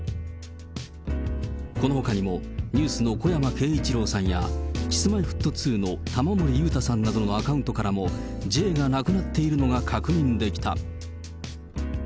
このほかにも、ニュースの小山慶一郎さんやＫｉｓ−Ｍｙ−Ｆｔ２の玉森裕太さんなどのアカウントからもｊがなくなっているのが確認できた。